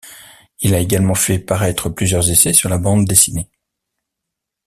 Il a également fait paraître plusieurs essais sur la bande dessinée.